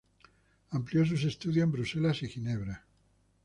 Amplió sus estudios en Bruselas y Ginebra.